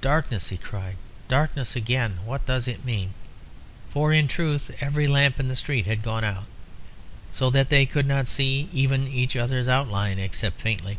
"Darkness!" he cried "darkness again! What does it mean?" For in truth every lamp in the street had gone out, so that they could not see even each other's outline, except faintly.